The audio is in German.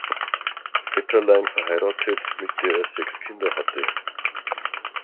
Vetterlein, verheiratet, mit der er sechs Kinder hatte.